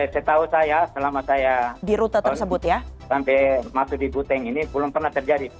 setahu saya selama saya sampai masuk di buteng ini belum pernah terjadi